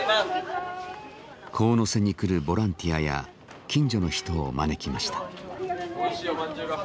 神瀬に来るボランティアや近所の人を招きました。